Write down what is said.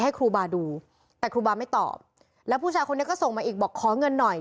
ให้ครูบาดูแต่ครูบาไม่ตอบแล้วผู้ชายคนนี้ก็ส่งมาอีกบอกขอเงินหน่อย